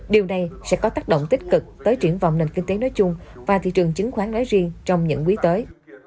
điều này sẽ có tác động tích cực tới chuyển vòng nền kinh tế nói chung và thị trường chính khoán nói riêng trong những quý tới